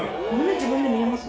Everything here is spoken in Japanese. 自分で見れます？